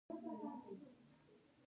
آیا ایران د شخړو حل نه غواړي؟